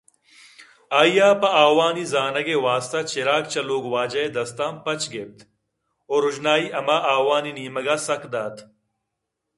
آئی ءَ پہ آوانی زانگ ءِ واستہ چراگ چہ لوگ واجہ ءِ دستاں پچ گپت ءُروژنائی ہما آوانی نیمگءَ سک دات